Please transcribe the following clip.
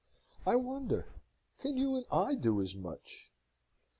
I wonder, can you and I do as much?